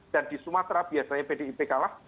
dan di sumatera biasanya pdip kalah